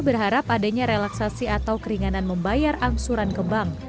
berharap adanya relaksasi atau keringanan membayar angsuran kembang